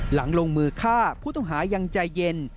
หลังลงมือฆ่าผู้ต้องหายังใจเย็น